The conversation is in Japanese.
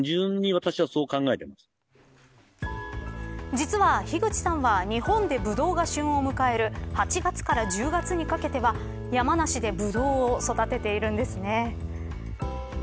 実は樋口さんは日本でブドウが旬を迎える８月から１０月にかけては山梨でブドウを育てているんですね。